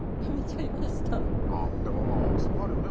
あでもまあそうなるよね。